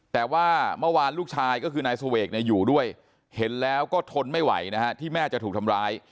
แต่ว่าเมื่อวานลูกชายก็คือนายเสวกอยู่ด้วยเห็นแล้วก็ทนไม่ไหวนะฮะที่แม่จะถูกทำร้าย